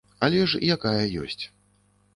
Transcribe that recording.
Але ж якая ёсць.